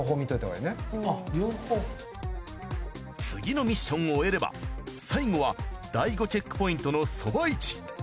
次のミッションを終えれば最後は第５チェックポイントのそば一。